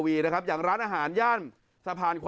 นี่ร้านแรก